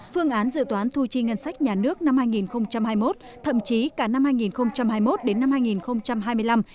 phương án dự toán thu chi ngân sách nhà nước năm hai nghìn hai mươi một thậm chí cả năm hai nghìn hai mươi một đến năm hai nghìn hai mươi năm